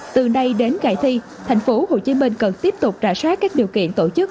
từ nay đến ngày thi thành phố hồ chí minh cần tiếp tục rả sát các điều kiện tổ chức